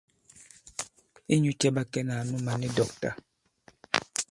Inyū cɛ̄ ɓa kɛnā ànu mǎn i dɔ̂kta ?